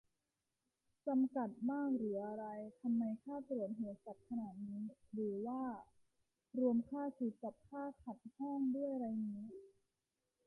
จำกัดมากหรืออะไร ทำไมค่าตรวจโหดสัสขนาดนี้ หรือว่ารวมค่าชุด กับค่าขัดห้องด้วยไรงี้